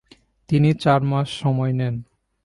তিনি চার মাস সময় নেন।